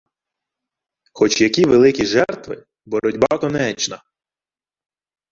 Хоч які великі жертви — боротьба конечна.